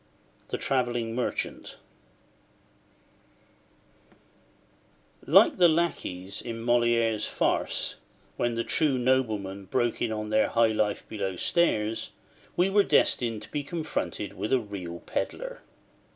THE TRAVELLING MERCHANT LIKE the lackeys in Molière's farce, when the true nobleman broke in on their high life below stairs, we were destined to be confronted with a real pedlar.